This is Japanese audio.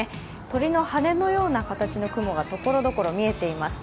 鳥の羽のような形の雲がところどころ見えています。